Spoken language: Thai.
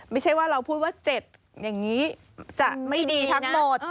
ไม่ใช่ว่าเราพูดว่า๗อย่างนี้จะไม่ดีทั้งหมด